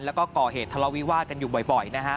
แล้วก็ก่อเหตุทะเลาวิวาสกันอยู่บ่อยนะฮะ